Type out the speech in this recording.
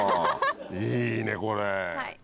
いいねこれ。